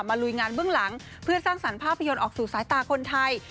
ลุยงานเบื้องหลังเพื่อสร้างสรรค์ภาพยนตร์ออกสู่สายตาคนไทย